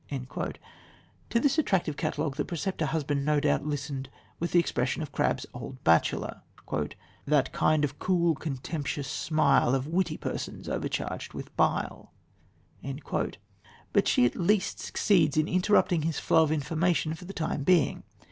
To this attractive catalogue the preceptor husband, no doubt, listened with the expression of Crabbe's Old Bachelor: "that kind of cool, contemptuous smile Of witty persons overcharged with bile," but she at least succeeds in interrupting his flow of information for the time being.